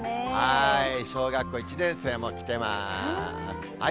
小学校１年生も来てます。